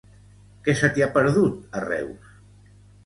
Què se t'hi ha perdut, a Reus?